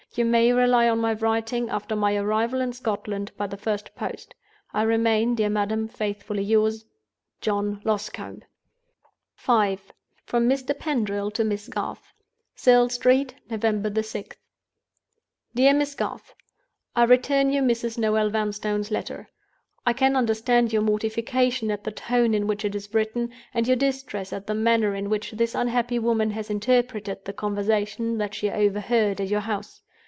You may rely on my writing, after my arrival in Scotland, by the first post. "I remain, dear Madam, faithfully yours, "JOHN LOSCOMBE." V. From Mr. Pendril to Miss Garth. "Serle Street, November 6th. "DEAR MISS GARTH, "I return you Mrs. Noel Vanstone's letter. I can understand your mortification at the tone in which it is written, and your distress at the manner in which this unhappy woman has interpreted the conversation that she overheard at your house.